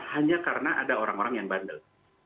hanya karena ada orang orang yang bandel